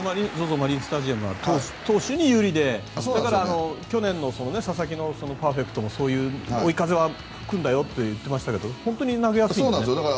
マリンスタジアムは投手に有利でだから、去年の佐々木のパーフェクトもそういう追い風は吹くんだよと言ってましたけど本当に投げやすいんですね。